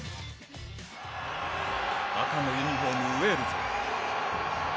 赤のユニフォーム、ウェールズ。